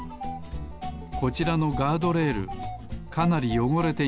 こちらのガードレールかなりよごれています。